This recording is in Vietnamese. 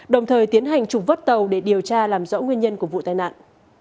đồng thời tiến hành trục vớt tàu để điều tra làm rõ nguyên nhân của vụ tai nạn